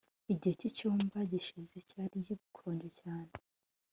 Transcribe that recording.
Igihe cyitumba gishize cyari gikonje cyane